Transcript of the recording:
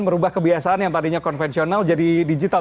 merubah kebiasaan yang tadinya konvensional jadi digital